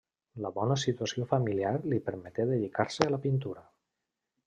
La bona situació familiar li permeté dedicar-se a la pintura.